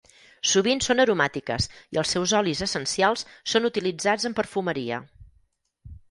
Sovint són aromàtiques i els seus olis essencials són utilitzats en perfumeria.